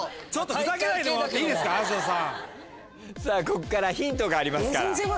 こっからヒントがありますから。